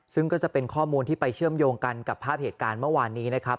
ซึ่งก็จะเป็นข้อมูลที่ไปเชื่อมโยงกันกับภาพเหตุการณ์เมื่อวานนี้นะครับ